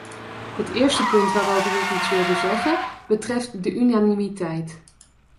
Het eerste punt waarover ik iets wilde zeggen betreft de unanimiteit.